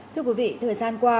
thưa quý vị thời gian qua